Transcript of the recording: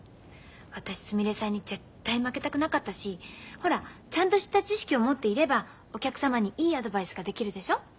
私すみれさんに絶対負けたくなかったしほらちゃんとした知識を持っていればお客様にいいアドバイスができるでしょ。